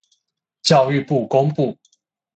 教育部公布